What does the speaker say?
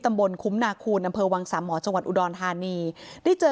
ตำบลคุ้มนาคูณอำเภอวังสามหมอจังหวัดอุดรธานีได้เจอ